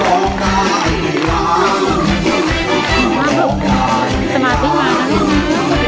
ร้องได้ให้ร้อง